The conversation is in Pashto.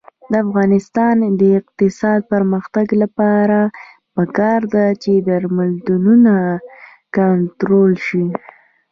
د افغانستان د اقتصادي پرمختګ لپاره پکار ده چې درملتونونه کنټرول شي.